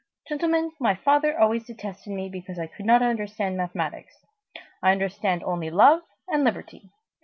Gentlemen, my father always detested me because I could not understand mathematics. I understand only love and liberty.